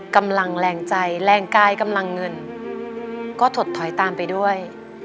กำลังแรงใจแรงกายกำลังเงินก็ถดถอยตามไปด้วย